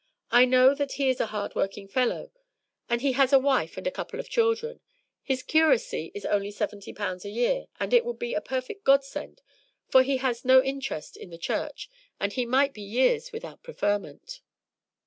I know that he is a hard working fellow, and he has a wife and a couple of children; his curacy is only 70 pounds a year, and it would be a perfect godsend, for he has no interest in the Church, and he might be years without preferment."